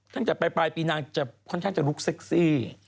ทั้งจากปลายปีนานค่อนข้างจะลูกเซ็กซี่